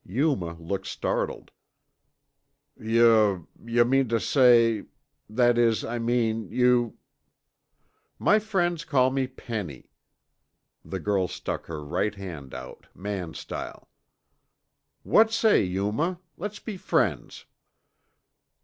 Yuma looked startled. "Yuh yuh mean t t tuh say ... that is, I mean you " "My friends call me Penny." The girl stuck her right hand out, man style. "What say, Yuma? let's be friends."